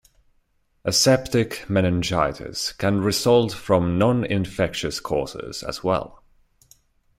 Aseptic meningitis can result from non-infectious causes as well.